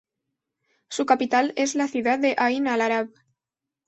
Su capital es la ciudad de Ayn al-Arab.